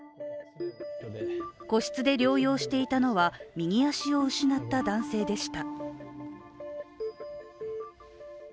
個室で療養していたのは、右足を失った男性でした。